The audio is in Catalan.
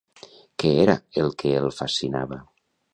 Què era el que el fascinava?